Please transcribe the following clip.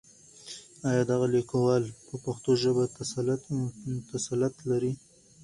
آيا دغه ليکوال په پښتو ژبه تسلط لري؟